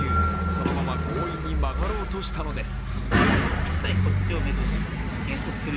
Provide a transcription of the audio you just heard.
そのまま強引に曲がろうとしたのです。